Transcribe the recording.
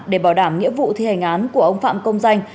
để bảo đảm nghĩa vụ thi hành án của ông phạm công danh